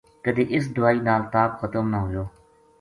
کدے اس دوائی نال تاپ ختم نہ ہویو